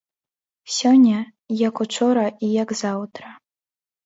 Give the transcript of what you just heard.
Сёння, як учора і як заўтра.